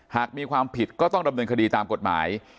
หากมีความผิดก็ต้องดำเนินคดีตามกฎหมาย